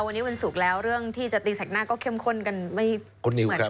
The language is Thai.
วันนี้วันศุกร์แล้วเรื่องที่จะตีแสกหน้าก็เข้มข้นกันไม่เหมือนกัน